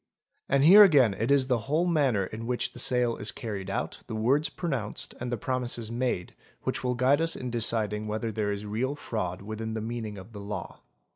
And here again it is the whole manner in which the sale is carried out, the words pronounced and the promises made, which will guide us in deciding whether there is real fraud within the meaning of the law.